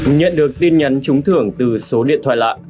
nhận được tin nhắn trúng thưởng từ số điện thoại lạ